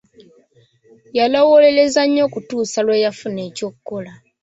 Yalowoolereza nnyo okutuusa lwe yafuna eky'okukola.